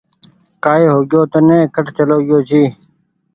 ڪآئي هوگئيو تني ڪٺ چلو گيو ڇي۔